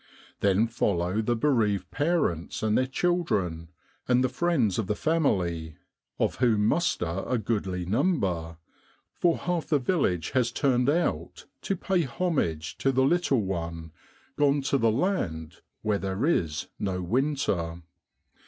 Then follow the bereaved parents and their chil dren, and the friends of the family of whom muster a goodly number, for half the village has turned out to pay homage to the little one gone to the Land where there is no winter.